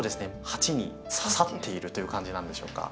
鉢にささっているという感じなんでしょうか。